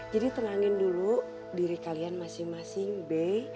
jadi tenangin dulu diri kalian masing masing be